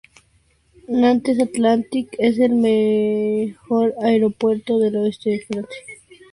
Nantes Atlantique es el mayor aeropuerto del oeste de Francia.